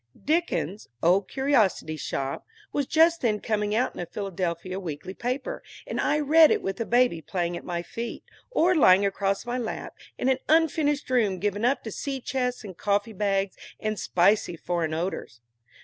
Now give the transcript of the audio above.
Dickens's "Old Curiosity Shop" was just then coming out in a Philadelphia weekly paper, and I read it with the baby playing at my feet, or lying across my lap, in an unfinished room given up to sea chests and coffee bags and spicy foreign odors.